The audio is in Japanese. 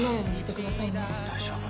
大丈夫。